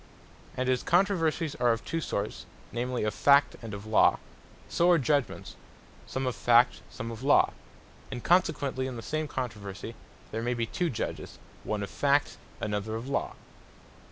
And as Controversies are of two sorts, namely of Fact, and of Law; so are judgements, some of Fact, some of Law: And consequently in the same controversie, there may be two Judges, one of Fact, another of Law.